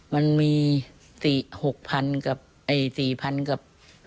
มันมี๔๐๐๐กับ